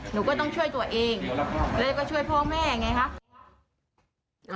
หนูก็ต้องช่วยตัวเองแล้วก็ช่วยพ่อแม่ไงคะ